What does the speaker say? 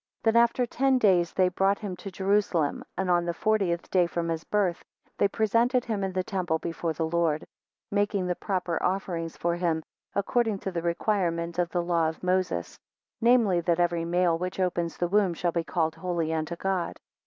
5 Then after ten days they brought him to Jerusalem, and on the fortieth day from his birth they presented him in the temple before the Lord, making the proper offerings for him, according to the requirement of the law of Moses: namely, that every male which opens the womb shall be called holy unto God.